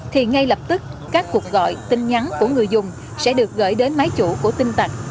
thì ngay lập tức các cuộc gọi tin nhắn của người dùng sẽ được gửi đến máy chủ của tin tặc